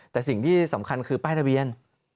แต่สิ่งที่สำคัญคือป้ายทะเบียน